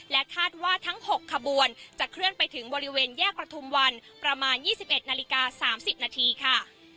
คาดว่าทั้ง๖ขบวนจะเคลื่อนไปถึงบริเวณแยกประทุมวันประมาณ๒๑นาฬิกา๓๐นาทีค่ะ